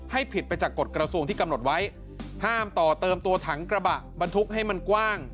ผิดไปจากกฎกระทรวงที่กำหนดไว้ห้ามต่อเติมตัวถังกระบะบรรทุกให้มันกว้าง